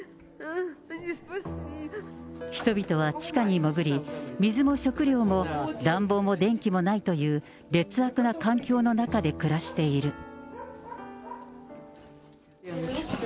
人々は地下に潜り、水も食料も暖房も電気もないという、劣悪な環境の中で暮らしている。